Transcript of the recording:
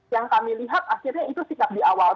yang kami lihat akhirnya itu tidak di awal saja